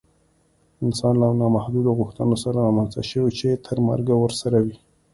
انسان له نامحدودو غوښتنو سره رامنځته شوی چې تر مرګه ورسره وي